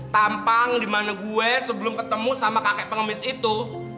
tampang dimana gue sebelum ketemu sama kakek pengemis itu